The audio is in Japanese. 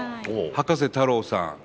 葉加瀬太郎さん。